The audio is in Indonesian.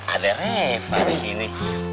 ada reva disini